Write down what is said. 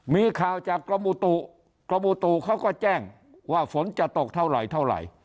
มีข่าวจากกรมอุตุกรมอุตุเขาก็แจ้งว่าฝนจะตกเท่าไหร่เท่าไหร่